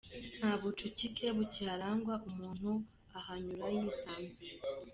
Nta bucukike bukiharangwa umuntu ahanyura yisanzuye.